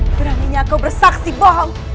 beraninya kau bersaksi bohong